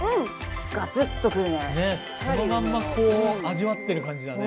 ねえそのまんま味わってる感じだね。